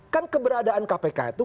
kan keberadaan kpk itu